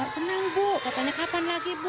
senang bu katanya kapan lagi bu